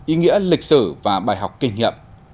ý nghĩa lịch sử và bài học kinh nghiệm